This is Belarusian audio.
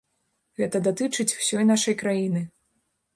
Гэта датычыць усёй нашай краіны.